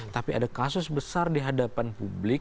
tapi ada kasus besar di hadapan publik